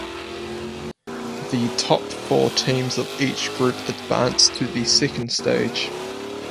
The top four teams of each group advanced to the second stage.